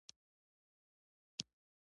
دغه دینداران د بې دینی په پلمو مه وژنه!